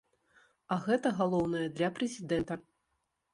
А гэта галоўнае для прэзідэнта.